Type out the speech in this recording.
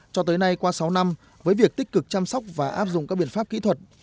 cho tới nay qua sáu năm với việc tích cực chăm sóc và áp dụng các biện pháp kỹ thuật